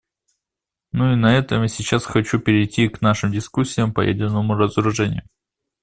Ну и на этом я сейчас хочу перейти к нашим дискуссиям по ядерному разоружению.